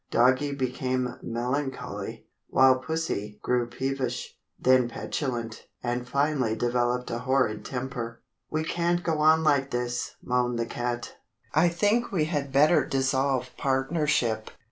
Doggie became melancholy, while Pussie grew peevish, then petulant, and finally developed a horrid temper. "We can't go on like this," moaned the cat. "I think we had better dissolve partnership.